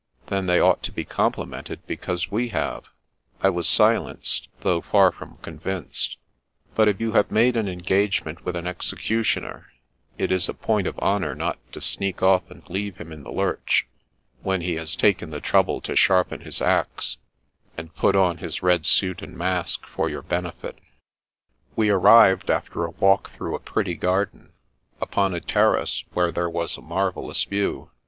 "Then they ought to be complimented because we have." I was silenced, though far from convinced ; but if you have made an engagement with an executioner, it is a point of honour not to sneak off and leave him in the lurch, when he has taken^the trouble to sharpen his axe, and put on his red suit and mask for your benefit We arrived, after a walk through a pretty garden, upon a terrace where there was a marvellous view.